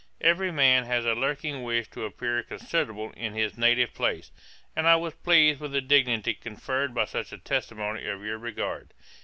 Every man has a lurking wish to appear considerable in his native place; and I was pleased with the dignity conferred by such a testimony of your regard.